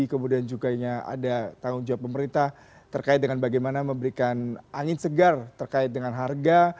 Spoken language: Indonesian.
kemudian juga ada tanggung jawab pemerintah terkait dengan bagaimana memberikan angin segar terkait dengan harga